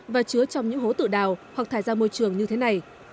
và chứa trong những hố tự đào hoặc thải ra môi trường như thế này